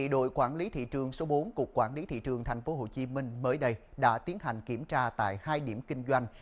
đội quản lý thị trường số bốn cục quản lý thị trường tp hcm mới đây đã tiến hành kiểm tra tại hai điểm kinh doanh